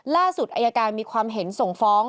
ล่าสุดอายการมีความเห็นส่งฟ้อง